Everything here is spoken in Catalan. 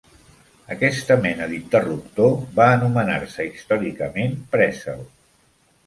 Aquesta mena d'interruptor va anomenar-se històricament "pressel".